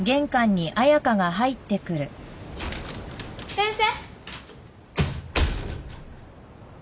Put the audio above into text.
・先生！